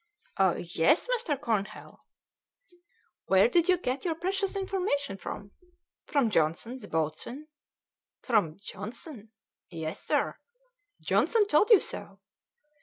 "Yes, Mr. Cornhill." "Where did you get your precious information from?" "From Johnson, the boatswain." "From Johnson?" "Yes, sir." "Johnson told you so?"